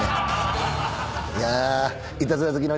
いや。